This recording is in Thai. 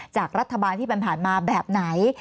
จากรัฐบาลที่ผ่านมาแบบไหน